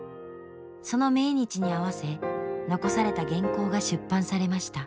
その命日に合わせ残された原稿が出版されました。